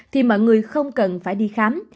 thì mọi người không cần phải đi khám